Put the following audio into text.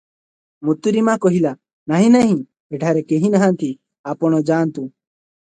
ମୁତୁରୀମା କହିଲା, " ନାହିଁ ନାହିଁ, ଏଠାରେ କେହି ନାହାନ୍ତି, ଆପଣ ଯାଆନ୍ତୁ ।